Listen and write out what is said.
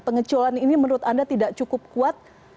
pengecualian ini menurut anda tidak cukup kuat